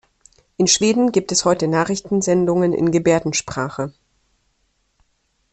In Schweden gibt es heute Nachrichtensendungen in Gebärdensprache.